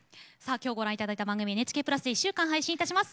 今日ご覧頂いた番組ＮＨＫ＋で１週間配信いたします。